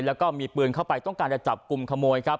แล้วก็มีปืนเข้าไปต้องการจะจับกลุ่มขโมยครับ